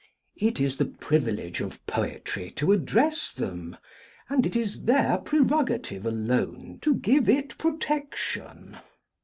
It is the privilege of poetry to address them, and it is their prerogative alone to give it protection.